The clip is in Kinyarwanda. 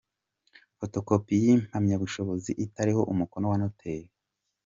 Fotokopi y’impamyabushobozi itariho umukono wa Noteri ;.